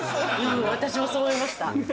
私もそう思いました。